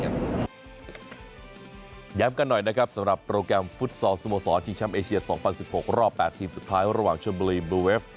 ย้ำกันหน่อยสำหรับโปรแกรมฟุตซอลสุโมศรที่ช้ำเอเชียส๒๐๑๖รอบ๘ทีมสุดท้ายระหว่างชมบรีบลูเวฟ